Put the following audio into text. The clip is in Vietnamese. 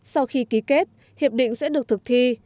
sau khi ký kết hiệp định sẽ được thực thi